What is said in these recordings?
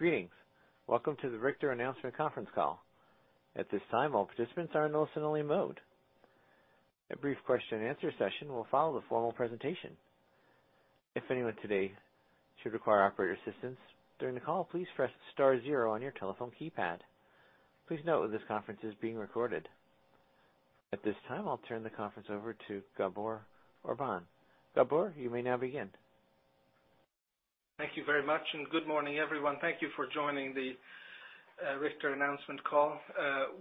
Greetings. Welcome to the Richter Announcement Conference Call. At this time, all participants are in listen-only mode. A brief question-and-answer session will follow the formal presentation. If anyone today should require operator assistance during the call, please press star zero on your telephone keypad. Please note that this conference is being recorded. At this time, I'll turn the conference over to Gábor Orbán. Gábor, you may now begin. Thank you very much, and good morning, everyone. Thank you for joining the Richter announcement call.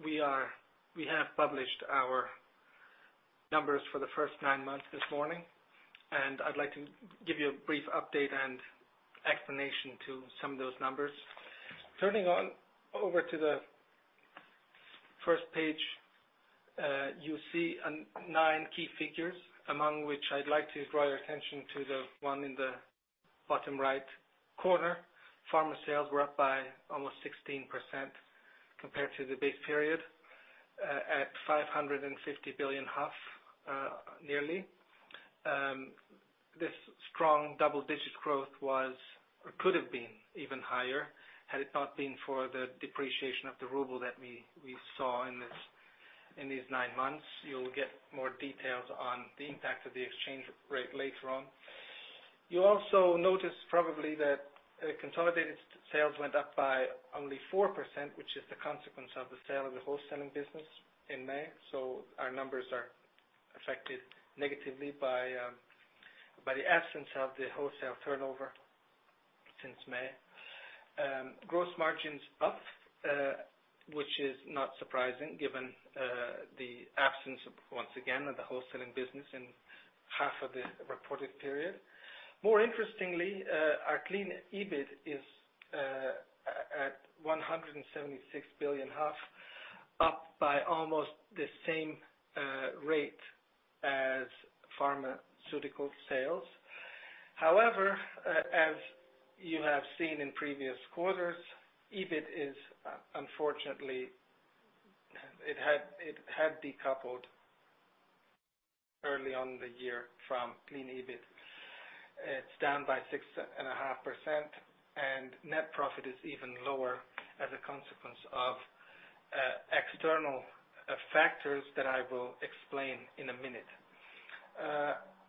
We have published our numbers for the first nine months this morning, and I'd like to give you a brief update and explanation to some of those numbers. Turning over to the first page, you see nine key figures, among which I'd like to draw your attention to the one in the bottom right corner. Pharma sales were up by almost 16% compared to the base period, at 550 billion nearly. This strong double-digit growth was, or could have been even higher, had it not been for the depreciation of the ruble that we saw in these nine months. You'll get more details on the impact of the exchange rate later on. You also notice probably that consolidated sales went up by only 4%, which is the consequence of the sale of the wholesaling business in May. So our numbers are affected negatively by the absence of the wholesale turnover since May. Gross margins up, which is not surprising given the absence, once again, of the wholesaling business in half of the reported period. More interestingly, our clean EBIT is at 176 billion, up by almost the same rate as pharmaceutical sales. However, as you have seen in previous quarters, EBIT is unfortunately it had decoupled early on in the year from clean EBIT. It's down by 6.5%, and net profit is even lower as a consequence of external factors that I will explain in a minute.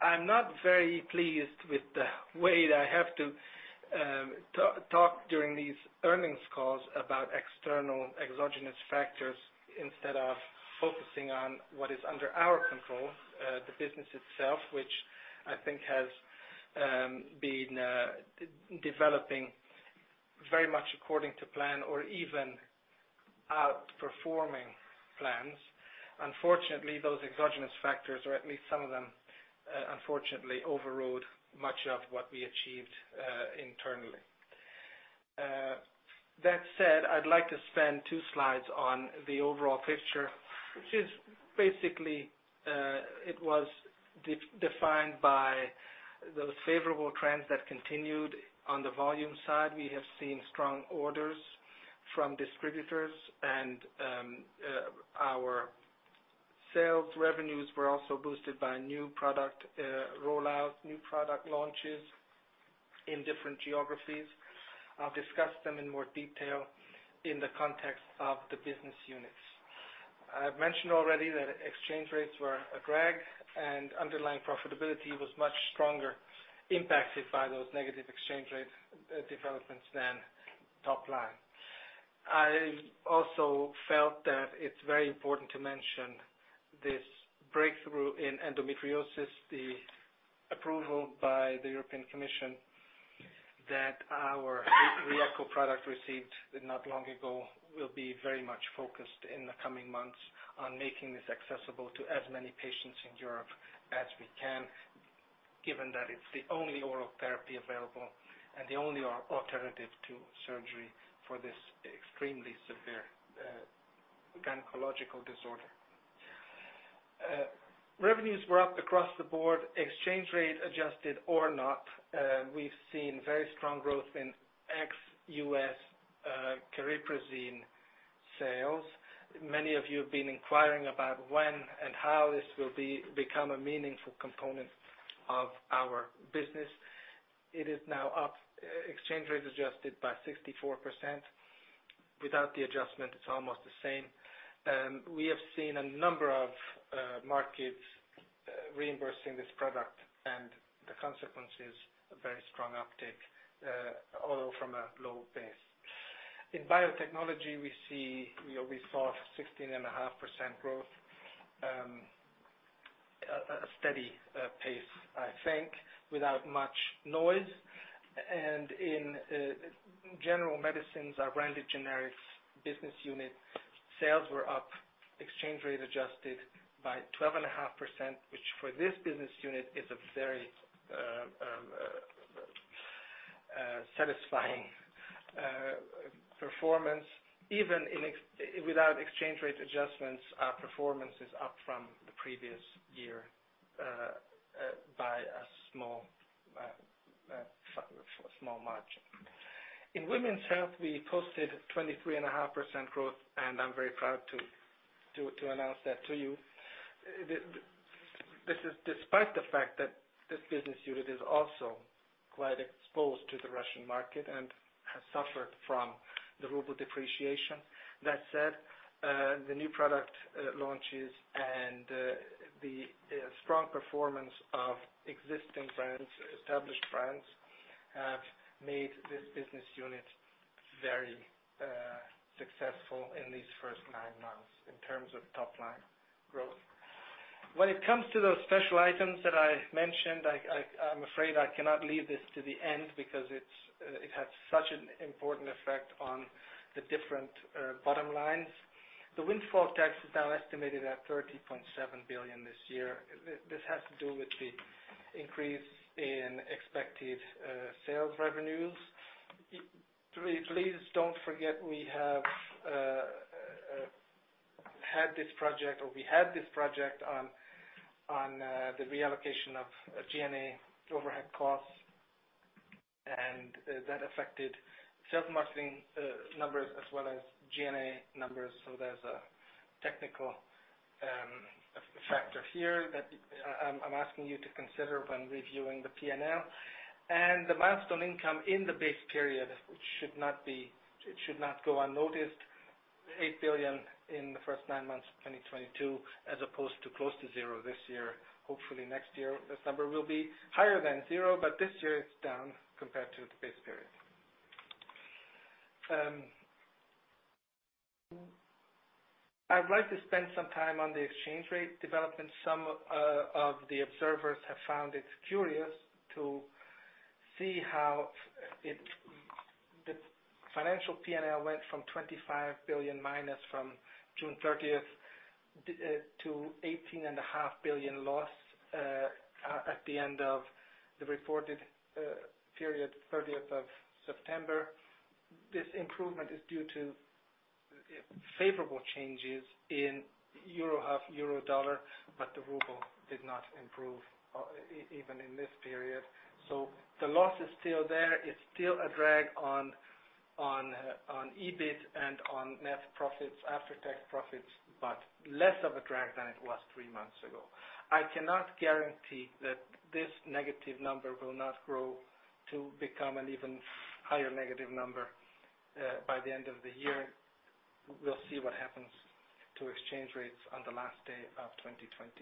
I'm not very pleased with the way that I have to talk during these earnings calls about external exogenous factors instead of focusing on what is under our control, the business itself, which I think has been developing very much according to plan or even outperforming plans. Unfortunately, those exogenous factors, or at least some of them, unfortunately, overrode much of what we achieved internally. That said, I'd like to spend two slides on the overall picture, which is basically it was defined by those favorable trends that continued on the volume side. We have seen strong orders from distributors and our sales revenues were also boosted by new product rollouts, new product launches in different geographies. I'll discuss them in more detail in the context of the business units. I've mentioned already that exchange rates were a drag, and underlying profitability was much stronger, impacted by those negative exchange rate developments than top line. I also felt that it's very important to mention this breakthrough in endometriosis, the approval by the European Commission that our RYEQO product received not long ago. We will be very much focused in the coming months on making this accessible to as many patients in Europe as we can, given that it's the only oral therapy available and the only alternative to surgery for this extremely severe gynecological disorder. Revenues were up across the board, exchange rate adjusted or not. We've seen very strong growth in ex-US Cariprazine sales. Many of you have been inquiring about when and how this will become a meaningful component of our business. It is now up, exchange rate adjusted, by 64%. Without the adjustment, it's almost the same. We have seen a number of markets reimbursing this product, and the consequence is a very strong uptick, although from a low base. In biotechnology, we see, you know, we saw 16.5% growth, a steady pace, I think, without much noise. And in general medicines, our branded generics business unit sales were up, exchange rate adjusted, by 12.5%, which for this business unit is a very satisfying performance. Even without exchange rate adjustments, our performance is up from the previous year by a small margin. In women's health, we posted 23.5% growth, and I'm very proud to announce that to you. The- This is despite the fact that this business unit is also quite exposed to the Russian market and has suffered from the ruble depreciation. That said, the new product launches and the strong performance of existing brands, established brands, have made this business unit very successful in these first nine months in terms of top line growth. When it comes to those special items that I mentioned, I'm afraid I cannot leave this to the end because it's it has such an important effect on the different bottom lines. The windfall tax is now estimated at 30.7 billion this year. This has to do with the increase in expected sales revenues. Please don't forget, we have had this project, or we had this project on the reallocation of G&A overhead costs, and that affected sales marketing numbers as well as G&A numbers. So there's a technical factor here that I'm asking you to consider when reviewing the P&L. And the milestone income in the base period should not be it should not go unnoticed. 8 billion in the first 9 months of 2022, as opposed to close to zero this year. Hopefully next year, this number will be higher than zero, but this year it's down compared to the base period. I'd like to spend some time on the exchange rate development. Some of the observers have found it curious to see how the financial PNL went from -25 billion from June 30 to -18.5 billion loss at the end of the reported period, September 30. This improvement is due to favorable changes in EUR/HUF, EUR/USD, but the ruble did not improve even in this period. So the loss is still there. It's still a drag on EBIT and on net profits, after-tax profits, but less of a drag than it was three months ago. I cannot guarantee that this negative number will not grow to become an even higher negative number by the end of the year. We'll see what happens to exchange rates on the last day of 2023.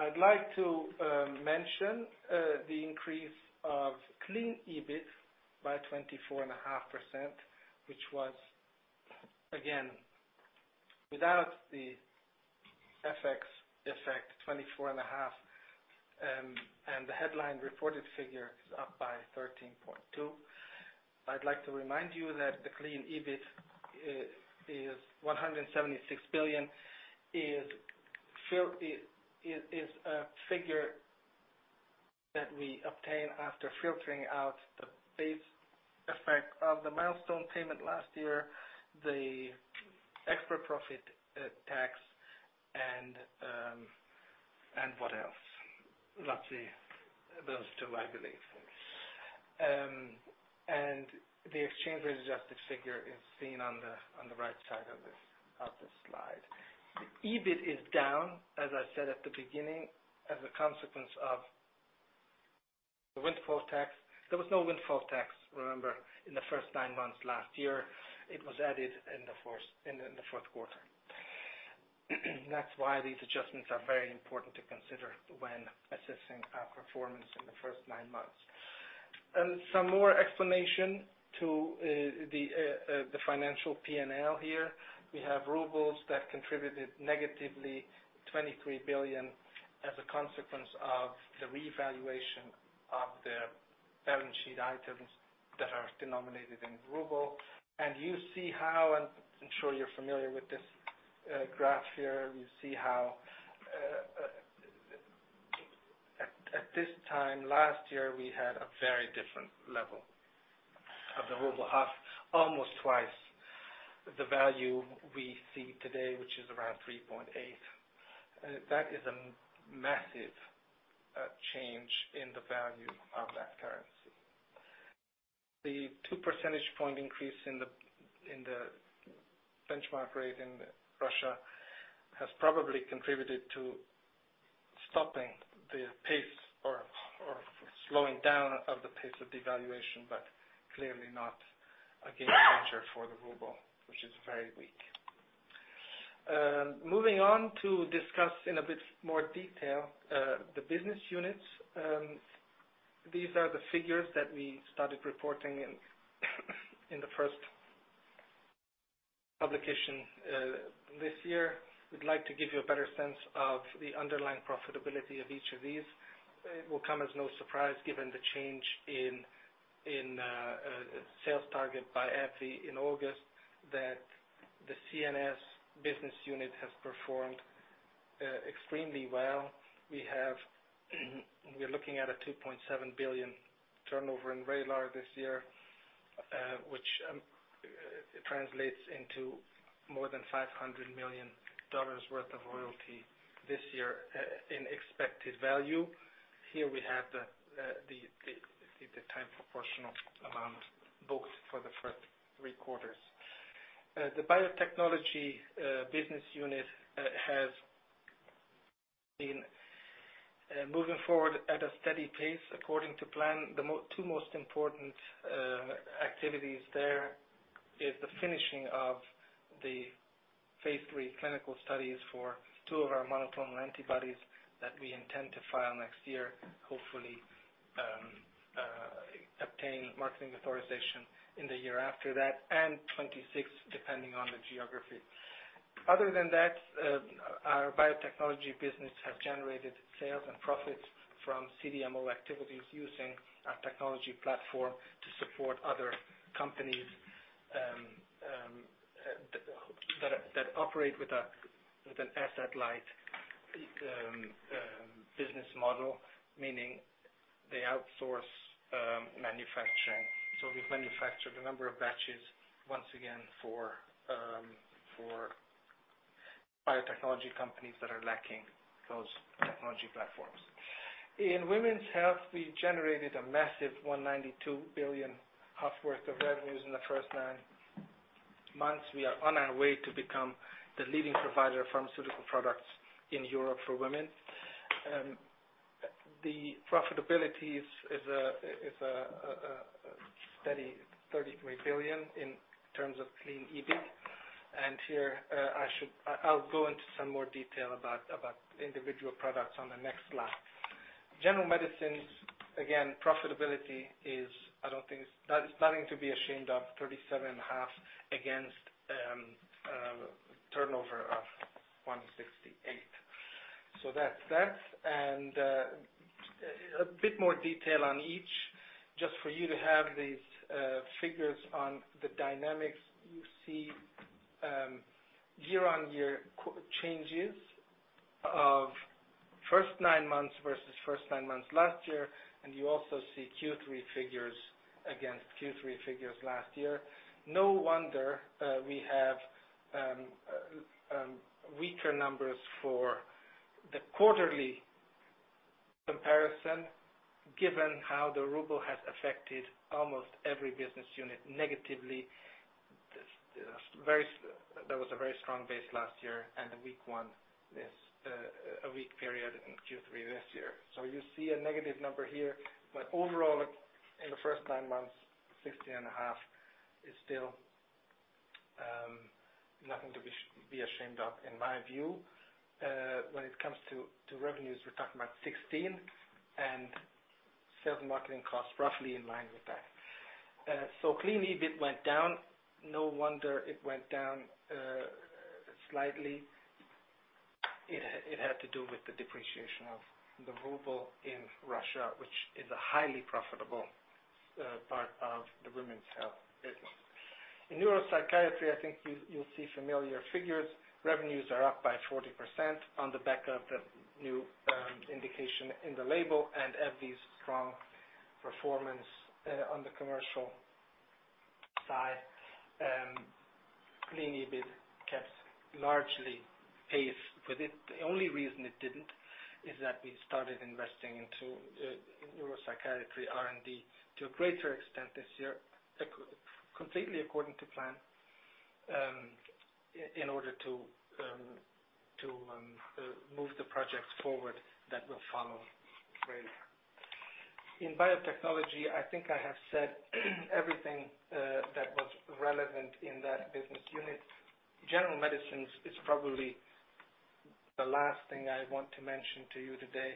I'd like to mention the increase of clean EBIT by 24.5%, which was, again, without the FX effect, 24.5. The headline reported figure is up by 13.2. I'd like to remind you that the clean EBIT is HUF 176 billion, a figure that we obtain after filtering out the base effect of the milestone payment last year, the extra profit tax, and what else? Laci, those two, I believe. The exchange rate adjusted figure is seen on the right side of this slide. EBIT is down, as I said at the beginning, as a consequence of the windfall tax. There was no windfall tax, remember, in the first nine months last year. It was added in the fourth quarter. That's why these adjustments are very important to consider when assessing our performance in the first nine months. And some more explanation to the financial PNL here. We have rubles that contributed negatively, 23 billion, as a consequence of the revaluation of the balance sheet items that are denominated in ruble. And you see how, and I'm sure you're familiar with this graph here, you see how at this time last year, we had a very different level of the ruble, half, almost twice the value we see today, which is around 3.8. That is a massive change in the value of that currency. The two percentage point increase in the benchmark rate in Russia has probably contributed to stopping the pace or slowing down of the pace of devaluation, but clearly not a game changer for the ruble, which is very weak. Moving on to discuss in a bit more detail the business units. These are the figures that we started reporting in the first publication this year. We'd like to give you a better sense of the underlying profitability of each of these. It will come as no surprise, given the change in sales target by AbbVie in August, that the CNS business unit has performed extremely well. We have, we're looking at 2.7 billion turnover this year, which translates into more than $500 million worth of royalty this year, in expected value. Here we have the proportional amount booked for the first 3 quarters. The biotechnology business unit has been moving forward at a steady pace, according to plan. The 2 most important activities there is the finishing of the phase 3 clinical studies for 2 of our monoclonal antibodies that we intend to file next year, hopefully, obtain marketing authorization in the year after that, and 2026, depending on the geography. Other than that, our biotechnology business have generated sales and profits from CDMO activities using our technology platform to support other companies, that operate with an asset-light business model, meaning they outsource manufacturing. So we've manufactured a number of batches, once again, for biotechnology companies that are lacking those technology platforms. In women's health, we generated a massive 192.5 billion worth of revenues in the first nine months. We are on our way to become the leading provider of pharmaceutical products in Europe for women. The profitability is a steady 33 billion in terms of clean EBIT. And here, I should, I'll go into some more detail about individual products on the next slide. General medicines, again, profitability is, I don't think it's nothing to be ashamed of, 37.5 against turnover of 168. So that's that. A bit more detail on each, just for you to have these figures on the dynamics. You see, year-on-year changes of first nine months versus first nine months last year, and you also see Q3 figures against Q3 figures last year. No wonder, we have weaker numbers for the quarterly comparison, given how the ruble has affected almost every business unit negatively. Just very. There was a very strong base last year and a weak one this, a weak period in Q3 this year. So you see a negative number here, but overall, in the first nine months, 16.5 is still nothing to be ashamed of, in my view. When it comes to revenues, we're talking about 16 and sales marketing costs roughly in line with that. So clean EBIT went down. No wonder it went down slightly. It had to do with the depreciation of the ruble in Russia, which is a highly profitable part of the women's health business. In neuropsychiatry, I think you'll see familiar figures. Revenues are up by 40% on the back of the new indication in the label and REAGILA's strong performance on the commercial side. Clean EBIT kept largely pace with it. The only reason it didn't is that we started investing into neuropsychiatry R&D to a greater extent this year, completely according to plan, in order to move the projects forward, that will follow later. In biotechnology, I think I have said everything that was relevant in that business unit. General medicines is probably the last thing I want to mention to you today,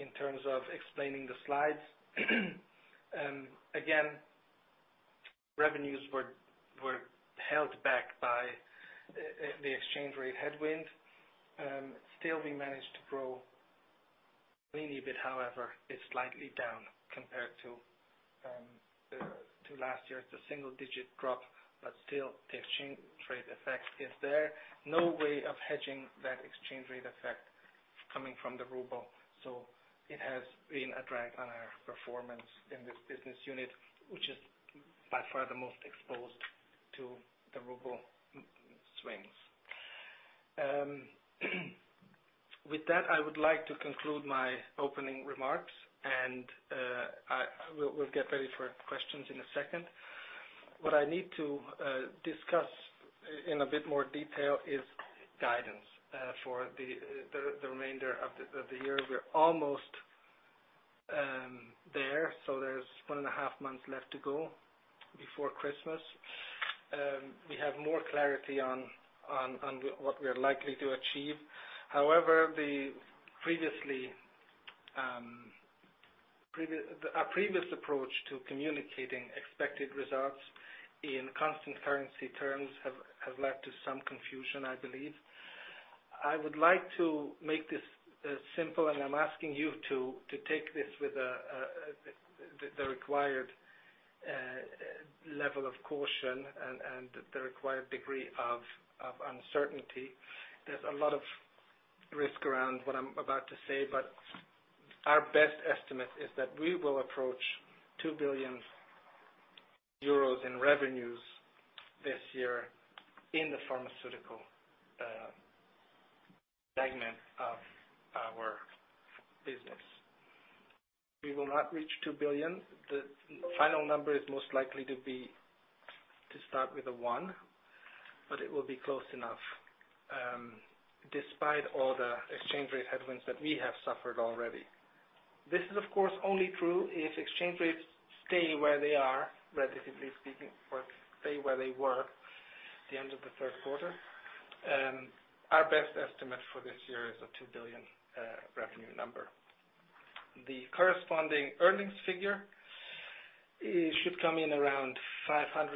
in terms of explaining the slides. Again, revenues were held back by the exchange rate headwind. Still, we managed to grow clean EBIT, however, is slightly down compared to last year. It's a single-digit drop, but still the exchange rate effect is there. No way of hedging that exchange rate effect coming from the ruble, so it has been a drag on our performance in this business unit, which is by far the most exposed to the ruble swings. With that, I would like to conclude my opening remarks, and we'll get ready for questions in a second. What I need to discuss in a bit more detail is guidance for the remainder of the year. We're almost there, so there's 1.5 months left to go before Christmas. We have more clarity on what we are likely to achieve. However, our previous approach to communicating expected results in constant currency terms have led to some confusion, I believe. I would like to make this simple, and I'm asking you to take this with the required level of caution and the required degree of uncertainty. There's a lot of risk around what I'm about to say, but our best estimate is that we will approach 2 billion euros in revenues this year in the pharmaceutical business segment of our business. We will not reach 2 billion. The final number is most likely to start with a 1, but it will be close enough, despite all the exchange rate headwinds that we have suffered already. This is, of course, only true if exchange rates stay where they are, relatively speaking, or stay where they were at the end of the third quarter. Our best estimate for this year is a 2 billion revenue number. The corresponding earnings figure, it should come in around 570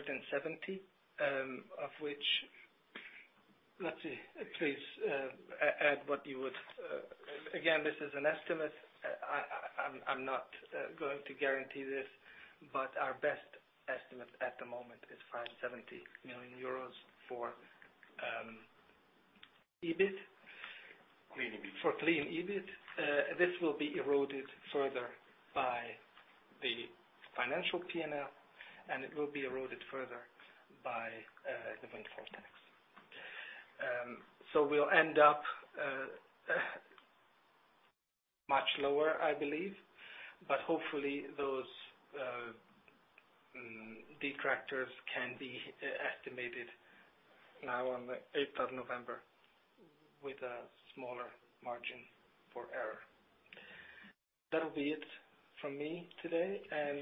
million, of which—let's see, please, add what you would... Again, this is an estimate. I'm not going to guarantee this, but our best estimate at the moment is 570 million euros for EBIT. Clean EBIT. For clean EBIT. This will be eroded further by the financial PNL, and it will be eroded further by the windfall tax. So we'll end up much lower, I believe, but hopefully those detractors can be estimated now on the eighth of November with a smaller margin for error. That'll be it from me today, and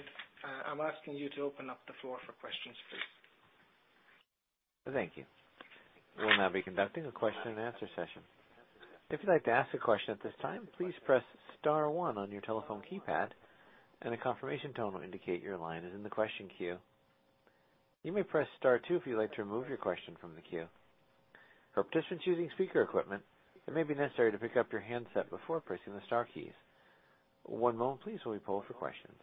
I'm asking you to open up the floor for questions, please. Thank you. We will now be conducting a question and answer session. If you'd like to ask a question at this time, please press star one on your telephone keypad, and a confirmation tone will indicate your line is in the question queue. You may press star two if you'd like to remove your question from the queue. For participants using speaker equipment, it may be necessary to pick up your handset before pressing the star keys. One moment please, while we poll for questions.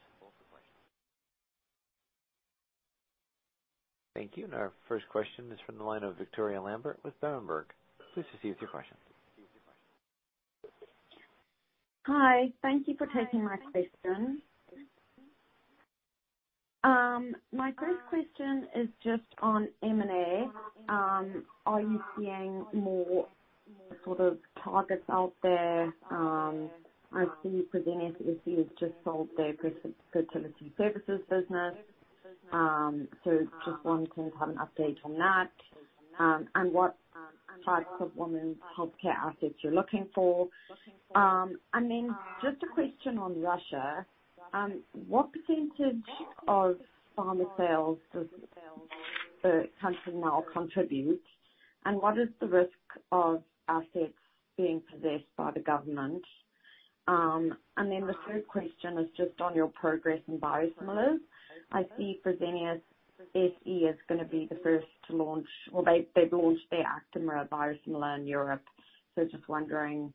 Thank you. Our first question is from the line of Victoria Lambert with Berenberg. Please proceed with your question. Hi, thank you for taking my question. My first question is just on M&A. Are you seeing more sort of targets out there? I see Fresenius SE has just sold their fertility services business. So just wondering, can you have an update on that, and what types of women's healthcare assets you're looking for? And then just a question on Russia. What percentage of pharma sales does the country now contribute? And what is the risk of assets being possessed by the government? And then the third question is just on your progress in biosimilars. I see Fresenius SE is going to be the first to launch, or they, they've launched their Actemra biosimilar in Europe. So just wondering,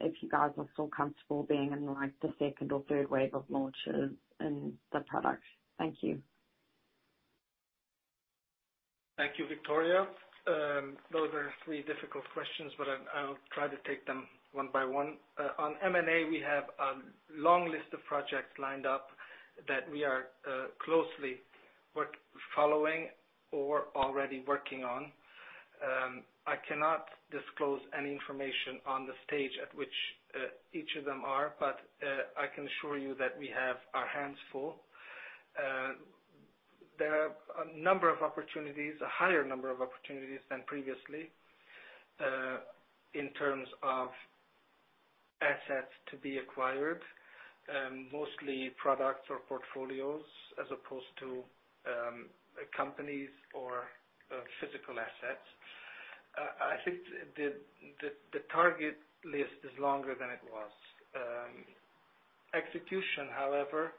if you guys are still comfortable being in, like, the second or third wave of launches in the product. Thank you. Thank you, Victoria. Those are three difficult questions, but I'll try to take them one by one. On M&A, we have a long list of projects lined up that we are closely following or already working on. I cannot disclose any information on the stage at which each of them are, but I can assure you that we have our hands full. There are a number of opportunities, a higher number of opportunities than previously in terms of assets to be acquired, mostly products or portfolios, as opposed to companies or physical assets. I think the target list is longer than it was. Execution, however,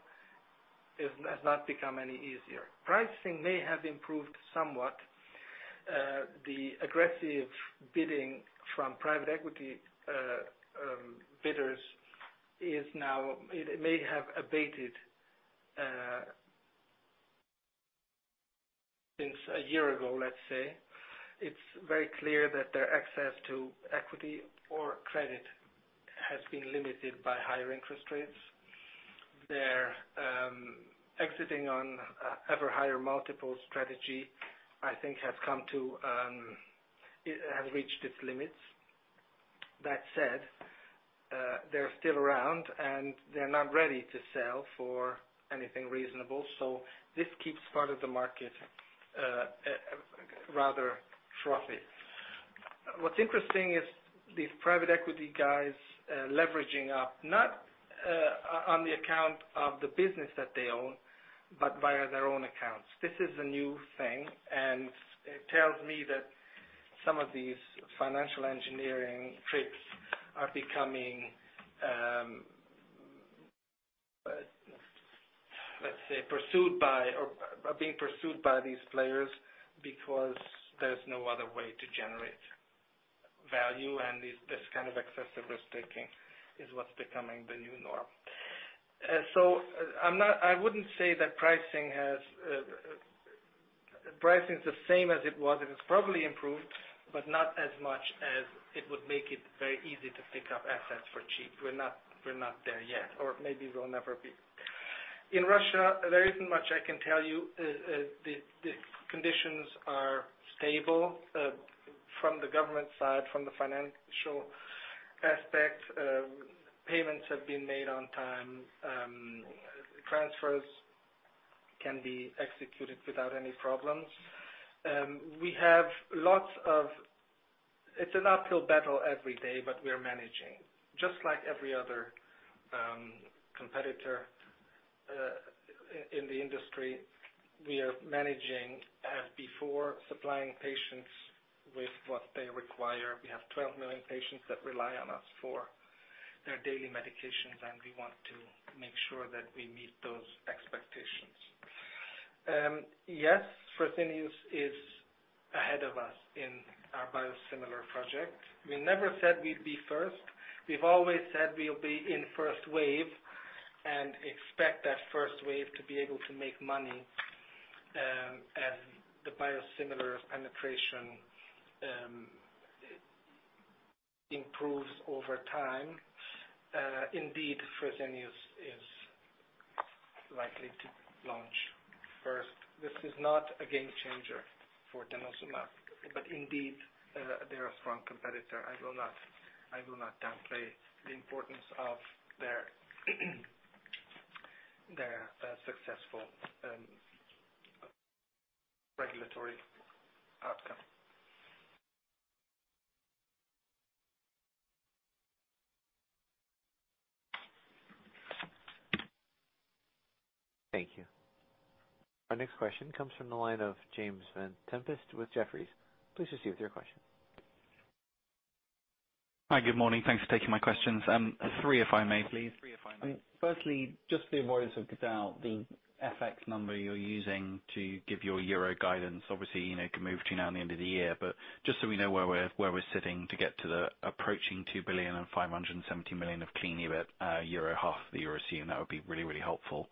has not become any easier. Pricing may have improved somewhat. The aggressive bidding from private equity bidders is now. It may have abated since a year ago, let's say. It's very clear that their access to equity or credit has been limited by higher interest rates. Their exiting on ever higher multiple strategy, I think, has come to. It has reached its limits. That said, they're still around, and they're not ready to sell for anything reasonable, so this keeps part of the market rather frothy. What's interesting is these private equity guys leveraging up, not on the account of the business that they own, but via their own accounts. This is a new thing, and it tells me that some of these financial engineering tricks are becoming, let's say, pursued by or are being pursued by these players because there's no other way to generate value, and this, this kind of excessive risk-taking is what's becoming the new norm. So I'm not- I wouldn't say that pricing has- pricing is the same as it was. It has probably improved, but not as much as it would make it very easy to pick up assets for cheap. We're not, we're not there yet, or maybe we'll never be. In Russia, there isn't much I can tell you. The conditions are stable, from the government side, from the financial aspect. Payments have been made on time. Transfers can be executed without any problems. It's an uphill battle every day, but we are managing. Just like every other competitor in the industry, we are managing as before, supplying patients with what they require. We have 12 million patients that rely on us for their daily medications, and we want to make sure that we meet those expectations. Yes, Fresenius is ahead of us in our biosimilar project. We never said we'd be first. We've always said we'll be in first wave, and expect that first wave to be able to make money as the biosimilar penetration improves over time. Indeed, Fresenius is likely to launch first. This is not a game changer for denosumab, but indeed, they're a strong competitor. I will not downplay the importance of their successful regulatory outcome. Thank you. Our next question comes from the line of James Gordon with Jefferies. Please proceed with your question. Hi, good morning. Thanks for taking my questions. Three, if I may, please. Firstly, just for the avoidance of doubt, the FX number you're using to give your euro guidance. Obviously, you know, it can move from now to the end of the year, but just so we know where we're sitting to get to the approaching 2,570 million of clean EUR, the EUR/HUF that you're assuming. That would be really, really helpful.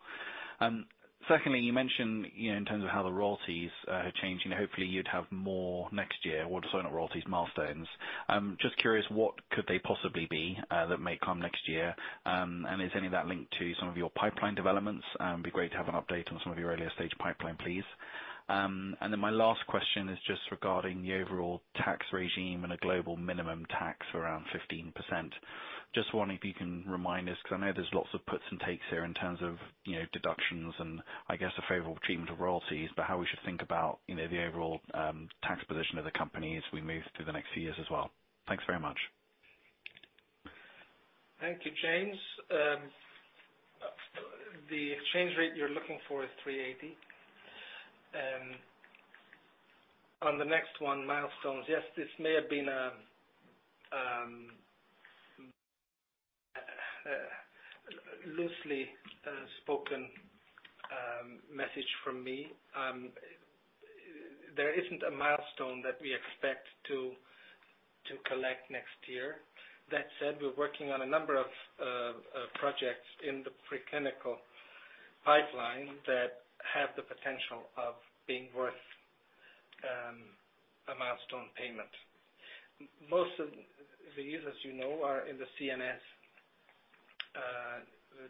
Secondly, you mentioned, you know, in terms of how the royalties changing, hopefully you'd have more next year or upside royalties, milestones. Just curious, what could they possibly be, that may come next year? And is any of that linked to some of your pipeline developments? Be great to have an update on some of your earlier stage pipeline, please. And then my last question is just regarding the overall tax regime and a global minimum tax around 15%. Just wondering if you can remind us, because I know there's lots of puts and takes here in terms of, you know, deductions and I guess a favorable treatment of royalties, but how we should think about, you know, the overall tax position of the company as we move through the next few years as well. Thanks very much. Thank you, James. The exchange rate you're looking for is 380. On the next one, milestones. Yes, this may have been a loosely spoken message from me. There isn't a milestone that we expect to collect next year. That said, we're working on a number of projects in the preclinical pipeline that have the potential of being worth a milestone payment. Most of these, as you know, are in the CNS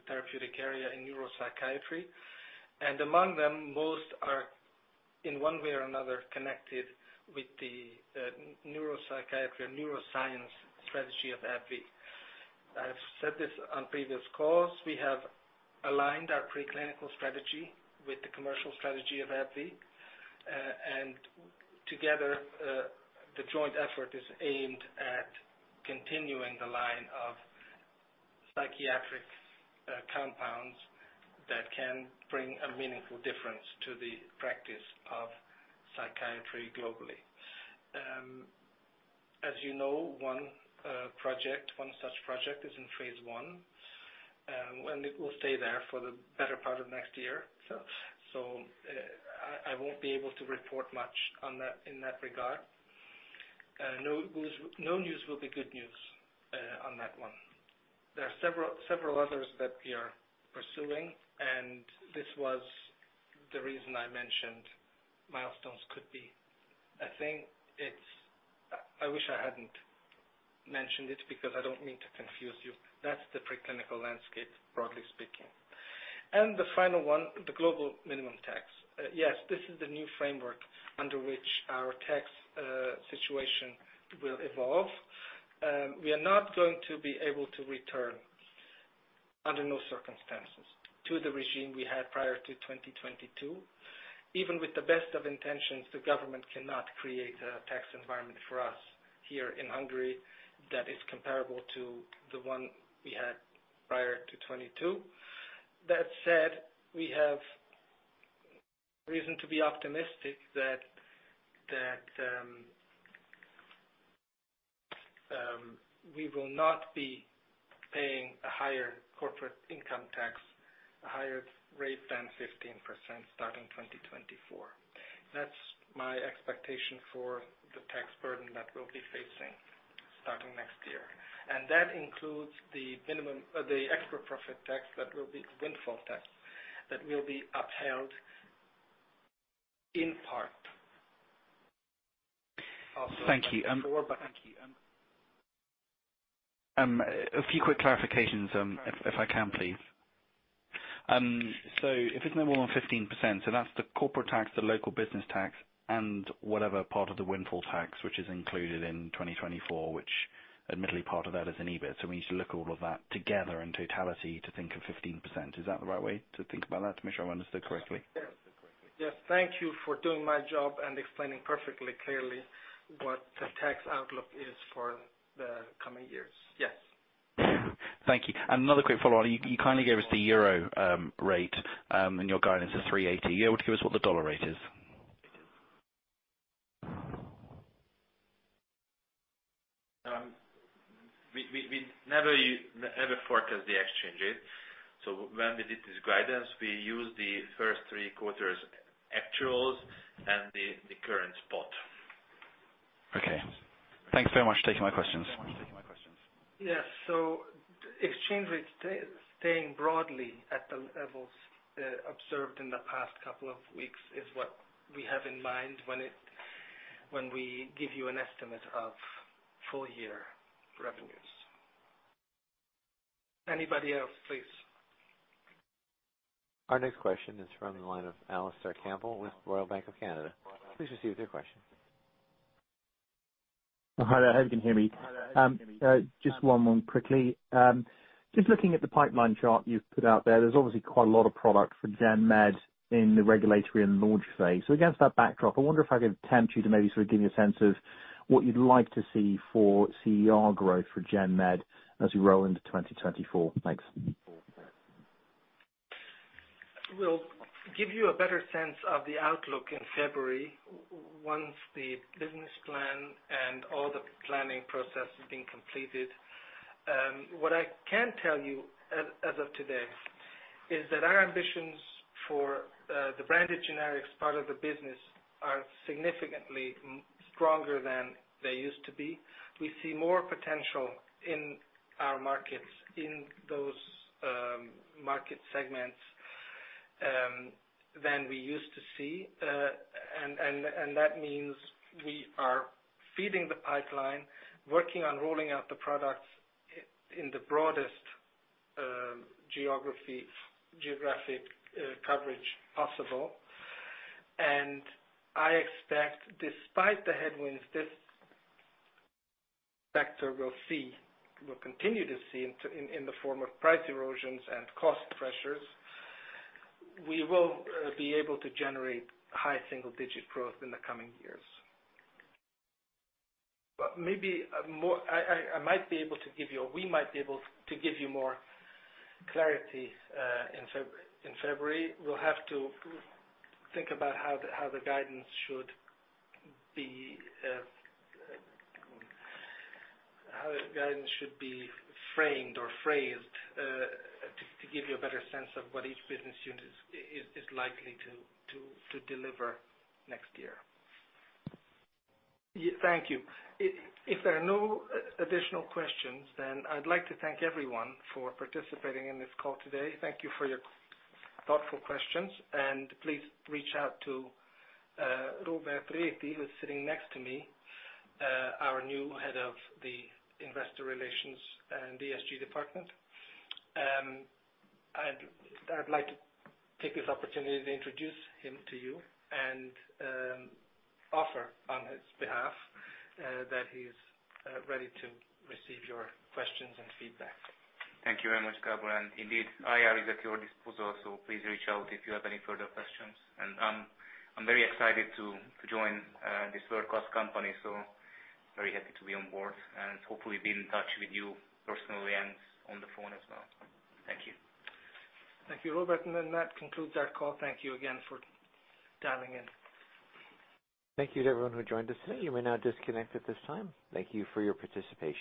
therapeutic area in neuropsychiatry, and among them, most are, in one way or another, connected with the neuropsychiatry and neuroscience strategy of AbbVie. I've said this on previous calls, we have aligned our preclinical strategy with the commercial strategy of AbbVie. And together, the joint effort is aimed at continuing the line of psychiatric compounds that can bring a meaningful difference to the practice of psychiatry globally. As you know, one project, one such project is in phase one, and it will stay there for the better part of next year. So, I won't be able to report much on that in that regard. No news, no news will be good news, on that one. There are several others that we are pursuing, and this was the reason I mentioned milestones could be. I think it's I wish I hadn't mentioned it, because I don't mean to confuse you. That's the preclinical landscape, broadly speaking. And the final one, the global minimum tax. Yes, this is the new framework under which our tax situation will evolve. We are not going to be able to return, under no circumstances, to the regime we had prior to 2022. Even with the best of intentions, the government cannot create a tax environment for us here in Hungary that is comparable to the one we had prior to 2022. That said, we have reason to be optimistic that we will not be paying a higher corporate income tax, a higher rate than 15% starting 2024. That's my expectation for the tax burden that we'll be facing starting next year, and that includes the extra profit tax, that will be windfall tax, that will be upheld in part. Thank you. A few quick clarifications, if I can, please. So if it's no more than 15%, so that's the corporate tax, the local business tax, and whatever part of the windfall tax which is included in 2024, which admittedly part of that is in EBIT. So we need to look at all of that together in totality to think of 15%. Is that the right way to think about that, to make sure I understood correctly? Yes. Yes, thank you for doing my job and explaining perfectly clearly what the tax outlook is for the coming years. Yes. Thank you. And another quick follow-on. You, you kindly gave us the euro rate, and your guidance is 380. You able to give us what the dollar rate is? We never ever forecast the exchange rate. So when we did this guidance, we used the first three quarters' actuals and the current spot. Okay. Thanks very much for taking my questions. Yes. So exchange rates staying broadly at the levels observed in the past couple of weeks is what we have in mind when we give you an estimate of full year revenues. Anybody else, please? Our next question is from the line of Alastair Campbell with Royal Bank of Canada. Please receive your question. Hi there, I hope you can hear me. Just one more quickly. Just looking at the pipeline chart you've put out there, there's obviously quite a lot of product for GenMed in the regulatory and launch phase. So against that backdrop, I wonder if I could tempt you to maybe sort of give me a sense of what you'd like to see for CER growth for GenMed as we roll into 2024. Thanks. We'll give you a better sense of the outlook in February, once the business plan and all the planning process has been completed. What I can tell you as of today is that our ambitions for the branded generics part of the business are significantly stronger than they used to be. We see more potential in our markets, in those market segments, than we used to see. And that means we are feeding the pipeline, working on rolling out the products in the broadest geographic coverage possible. And I expect, despite the headwinds, this factor we'll see, we'll continue to see in the form of price erosions and cost pressures. We will be able to generate high single-digit growth in the coming years. But maybe a more. I might be able to give you or we might be able to give you more clarity in February. We'll have to think about how the guidance should be. How the guidance should be framed or phrased to give you a better sense of what each business unit is likely to deliver next year. Yeah, thank you. If there are no additional questions, then I'd like to thank everyone for participating in this call today. Thank you for your thoughtful questions, and please reach out to Róbert Réthy, who's sitting next to me, our new head of the Investor Relations and ESG department. And I'd like to take this opportunity to introduce him to you and offer on his behalf that he's ready to receive your questions and feedback. Thank you very much, Gábor. Indeed, IR is at your disposal, so please reach out if you have any further questions. I'm very excited to join this world-class company, so very happy to be on board and hopefully be in touch with you personally and on the phone as well. Thank you. Thank you, Róbert, and then that concludes our call. Thank you again for dialing in. Thank you to everyone who joined us today. You may now disconnect at this time. Thank you for your participation.